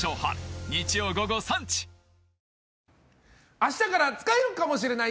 明日から使えるかもしれない！？